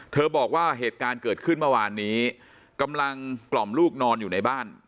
บอกว่าเหตุการณ์เกิดขึ้นเมื่อวานนี้กำลังกล่อมลูกนอนอยู่ในบ้าน